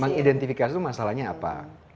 mengidentifikasi itu masalahnya apa